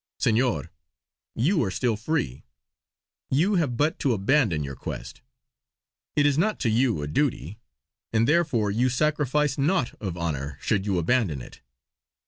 Senor, you are still free. You have but to abandon your quest. It is not to you a duty; and therefore you sacrifice naught of honour should you abandon it.